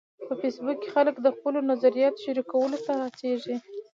په فېسبوک کې خلک د خپلو نظریاتو شریکولو ته هڅیږي.